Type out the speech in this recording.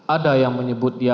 ada yang menyebut dia